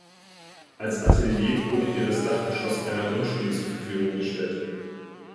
Als Atelier wurde ihr das Dachgeschoss einer Grundschule zur Verfügung gestellt.